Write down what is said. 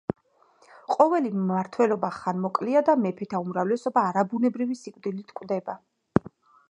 ყოველი მმართველობა ხანმოკლეა და მეფეთა უმრავლესობა არაბუნებრივი სიკვდილით კვდება.